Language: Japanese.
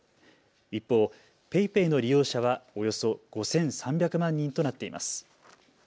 一方、ＰａｙＰａｙの利用者はおよそ５３００万人となっています。